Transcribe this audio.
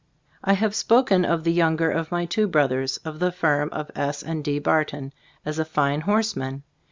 I have spoken of the younger of my two brothers, of the firm of S. & D. Barton, as a fine horseman.